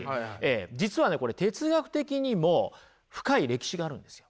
実はねこれ哲学的にも深い歴史があるんですよ。